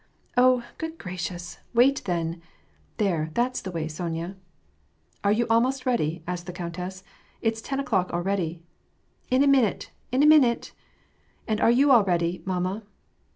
" Oh, good gracious, wait then ! There, that's the way, Sonya !"" Are you almost ready ?" asked the countess. " It's ten o'clock aJready." " In a minute, in a minute." " And are you all ready, mamma